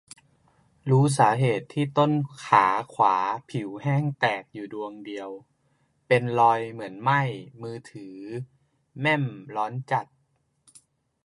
รู้สาเหตุที่ต้นขาขวาผิวแห้งแตกอยู่ดวงเดียว เป็นรอยเหมือนไหม้ มือถือแม่มร้อนจัด